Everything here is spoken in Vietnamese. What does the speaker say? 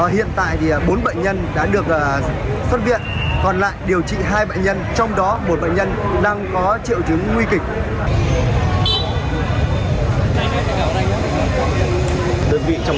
hiện tại bốn bệnh nhân đã được xuất viện còn lại điều trị hai bệnh nhân trong đó một bệnh nhân đang có triệu chứng nguy kịch